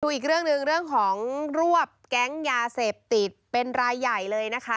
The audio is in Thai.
อีกเรื่องหนึ่งเรื่องของรวบแก๊งยาเสพติดเป็นรายใหญ่เลยนะคะ